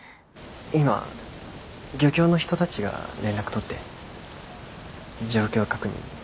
今漁協の人たちが連絡取って状況確認してるから。